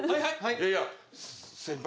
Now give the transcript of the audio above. いやいや先輩